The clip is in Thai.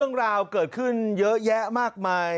เรื่องราวเกิดขึ้นเยอะแยะมากมาย